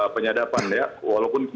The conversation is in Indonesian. penyadapan ya walaupun